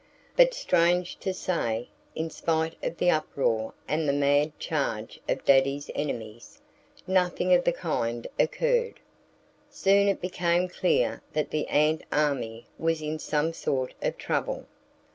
But strange to say, in spite of the uproar and the mad charge of Daddy's enemies, nothing of the kind occurred. Soon it became clear that the ant army was in some sort of trouble.